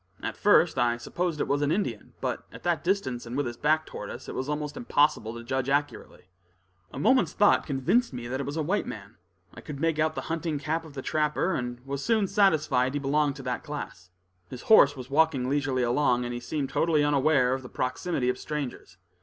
At first I supposed it was an Indian, but at that distance, and with his back toward us, it was almost impossible to judge accurately. A moment's thought convinced me that it was a white man. I could make out the hunting cap of the trapper, and was soon satisfied he belonged to that class. His horse was walking leisurely along, and he seemed totally unaware of the proximity of strangers.